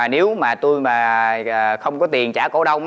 nếu mà tôi không có tiền trả cổ đông